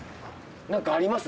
何かあります？